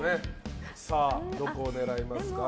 どこを狙いますか？